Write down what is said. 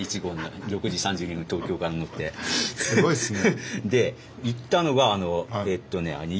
すごいですね。